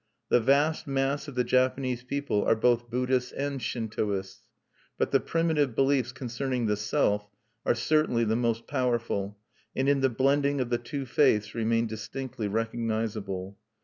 The vast mass of the Japanese people are both Buddhists and Shintoists; but the primitive beliefs concerning the self are certainly the most powerful, and in the blending of the two faiths remain distinctly recognizable.